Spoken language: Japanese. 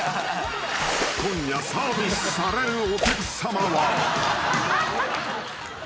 ［今夜サービスされるお客さまは］